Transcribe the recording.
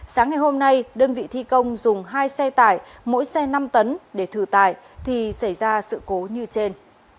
sáng ngày hôm nay đơn vị thi công dùng hai xe tải mỗi xe năm tấn để thử tải thì xảy ra sự cố như trên